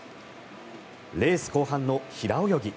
レース後半の平泳ぎ。